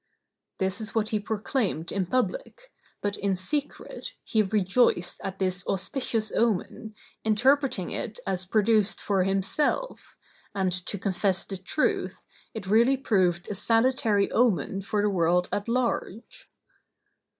This is what he proclaimed in public, but, in secret, he rejoiced at this auspicious omen, interpreting it as produced for himself; and, to confess the truth, it really proved a salutary omen for the world at large.